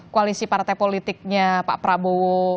koalisi partai politiknya pak prabowo